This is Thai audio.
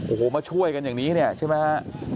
โอ้โหมาช่วยกันอย่างนี้เนี่ยใช่ไหมฮะ